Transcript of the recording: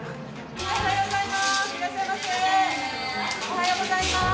おはようございます！